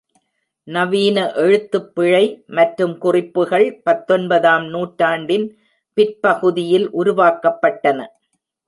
நவீன எழுத்துப்பிழை மற்றும் குறிப்புகள் பத்தொன்பதாம் நூற்றாண்டின் பிற்பகுதியில் உருவாக்கப்பட்டன.